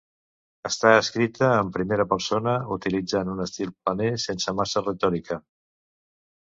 Està escrita en primera persona, utilitzant un estil planer, sense massa retòrica.